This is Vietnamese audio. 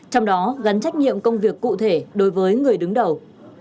trong đó gắn trách nhiệm công việc cụ thể đối với người đứng đầu